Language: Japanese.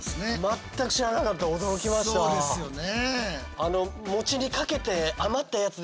そうですよね。